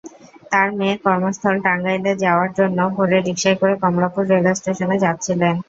তাঁর মেয়ে কর্মস্থল টাঙ্গাইলে যাওয়ার জন্য ভোরে রিকশায় করে কমলাপুর রেলস্টেশনে যাচ্ছিলেন।